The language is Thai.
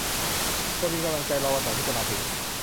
ควรมีกำลังใจรอวันใหม่ที่จะมาถึง